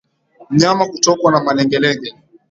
Mnyama kutokwa na malengelenge